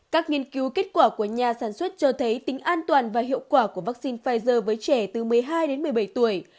các nghiên cứu kết quả của nhà sản xuất cho thấy tính an toàn và hiệu quả của vaccine pfizer với trẻ từ một mươi hai đến một mươi bảy tuổi